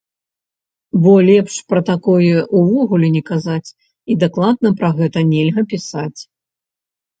Бо лепш пра такое ўвогуле не казаць і дакладна пра гэта нельга пісаць.